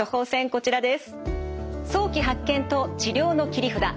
こちらです。